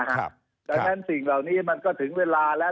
ดังนั้นสิ่งเหล่านี้มันก็ถึงเวลาแล้ว